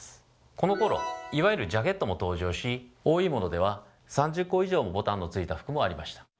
このころいわゆるジャケットも登場し多いものでは３０個以上もボタンの付いた服もありました。